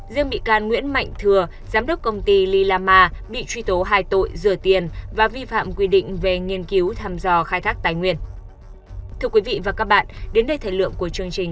riêng bị can nguyễn mạnh thừa giám đốc công ty lila ma bị truy tố hai tội rửa tiền và vi phạm quy định về nghiên cứu thăm dò khai thác tài nguyên